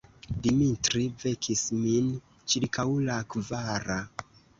Dimitri vekis min ĉirkaŭ la kvara.